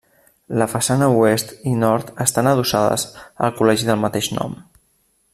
La façana oest i nord estan adossades al col·legi del mateix nom.